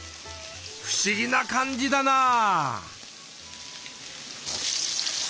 不思議な感じだな。